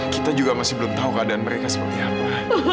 kita juga masih belum tahu keadaan mereka seperti apa